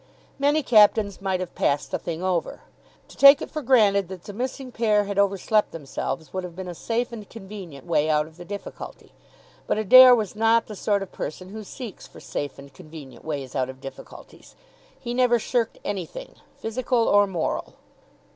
Many captains might have passed the thing over. To take it for granted that the missing pair had overslept themselves would have been a safe and convenient way out of the difficulty. But Adair was not the sort of person who seeks for safe and convenient ways out of difficulties. He never shirked anything, physical or moral.